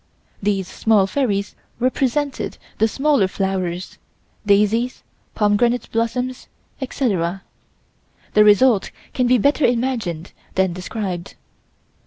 These small fairies represented the smaller flowers, daisies, pomegranate blossoms, etc. The result can be better imagined than described.